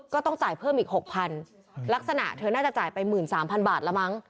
ก็ต้องจ่ายเพิ่มอีกหกพันลักษณะเธอน่าจะจ่ายไปหมื่นสามพันบาทแล้วมั้ง